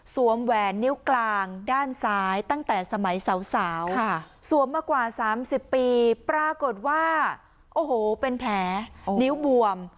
แหวนนิ้วกลางด้านซ้ายตั้งแต่สมัยสาวสวมมากว่า๓๐ปีปรากฏว่าโอ้โหเป็นแผลนิ้วบวม